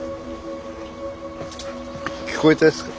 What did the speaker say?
聞こえたですか？